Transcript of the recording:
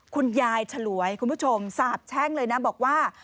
คุณยายฉลวยคุณผู้ชมสาบแช่งเลยนะบอกว่า